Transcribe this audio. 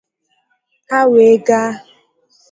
Ha wee gaa